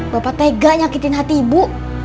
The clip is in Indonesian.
bapak tega nyakitin hati ibu